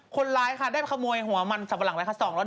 คนร้ายค่ะได้ขโมยหัวมันสัตว์หลังไปค่ะ